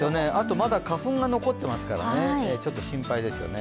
まだ花粉が残っていますからちょっと心配ですよね。